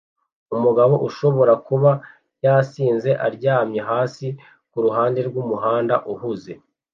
Umugabo ushobora kuba yasinze aryamye hasi kuruhande rwumuhanda uhuze